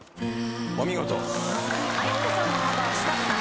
お見事。